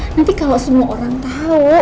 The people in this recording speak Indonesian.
nanti kalau semua orang tahu